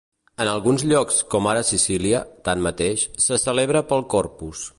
En alguns llocs com ara Sicília, tanmateix, se celebra pel Corpus.